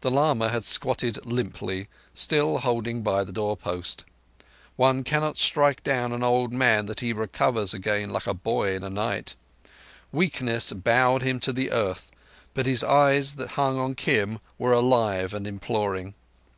The lama had squatted limply, still holding by the door post. One cannot strike down an old man that he recovers again like a boy in the night. Weakness bowed him to the earth, but his eyes that hung on Kim were alive and imploring.